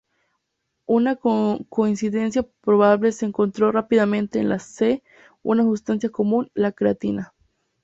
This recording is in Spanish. Una coincidencia probable se encontró rápidamente en las "C": una sustancia común, la creatina.